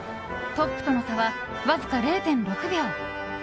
トップとの差はわずか０．６秒。